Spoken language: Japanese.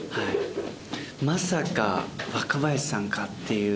まさか若林さんかっていう。